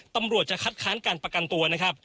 ตำรวจจะคัดค้านการประกันตัวนะครับ